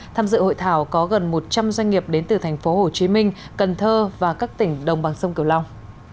tham dự hội thảo có gần một trăm linh doanh nghiệp đến từ thành phố hồ chí minh cần thơ và các tỉnh đồng bằng sông kiều long